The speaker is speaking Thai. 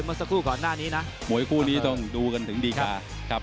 เมื่อสักครู่ก่อนหน้านี้นะมวยคู่นี้ต้องดูกันถึงดีการ์ครับ